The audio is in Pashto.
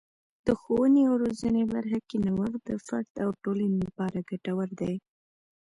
د ښوونې او روزنې برخه کې نوښت د فرد او ټولنې لپاره ګټور دی.